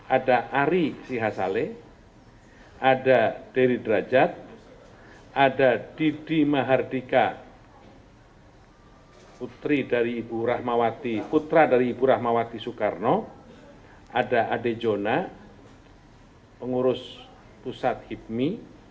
ada ari sihasale ada deri derajat ada didi mahardika putra dari ibu rahmawati soekarno ada ade jonah pengurus pusat hipmi